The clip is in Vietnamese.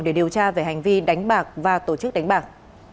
để điều tra về hành vi đánh bạc và tổ chức đánh bạc